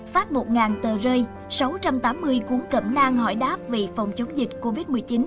phát một tờ rơi sáu trăm tám mươi cuốn cẩm nang hỏi đáp vì phòng chống dịch covid một mươi chín